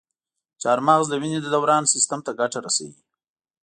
چارمغز د وینې د دوران سیستم ته ګټه رسوي.